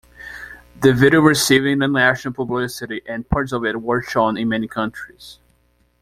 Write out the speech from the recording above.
The video received international publicity and parts of it were shown in many countries.